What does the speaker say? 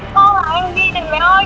con bảo em đi đừng mẹ ơi